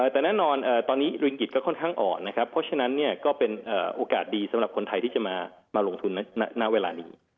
แต่แน่นอนตอนนี้ริงกิจก็ค่อนข้างอ่อนนะครับเพราะฉะนั้นก็เป็นโอกาสดีสำหรับคนไทยที่จะมาลงทุนณเวลานี้